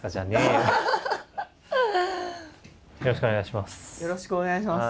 よろしくお願いします。